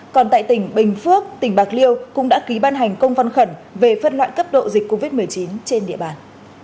còn tại tỉnh bình phước tỉnh bạc liêu cũng đã ký ban hành công văn khẩn về phân loại cấp độ dịch covid một mươi chín trên địa bàn